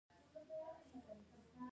انګور د افغانستان د ملي هویت یوه نښه ده.